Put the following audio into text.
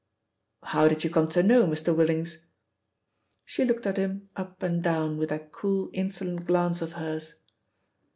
"How did you come to know Mr. 'Willings?" She looked at him up and down with that cool, insolent glance of hers.